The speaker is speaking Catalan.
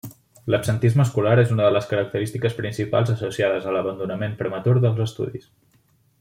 L'absentisme escolar és una de les característiques principals associades a l'abandonament prematur dels estudis.